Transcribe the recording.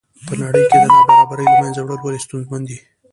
په نړۍ کې د نابرابرۍ له منځه وړل ولې ستونزمن دي.